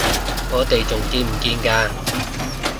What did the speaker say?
我哋仲見唔見㗎？